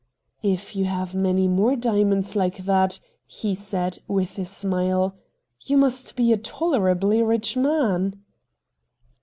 ' If you have many more diamonds like A STRANGE STORY 57 that,' he said, with a smile, ' you must be a tolerably rich man."